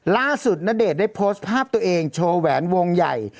ณเดชน์ได้โพสต์ภาพตัวเองโชว์แหวนวงใหญ่